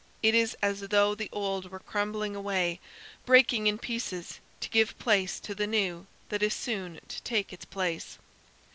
It is as though the old were crumbling away breaking in pieces to give place to the new that is soon to take its place.